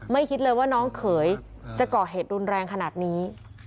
คิดเลยว่าน้องเขยจะก่อเหตุรุนแรงขนาดนี้